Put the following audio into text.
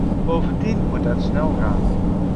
Bovendien moet het snel gaan.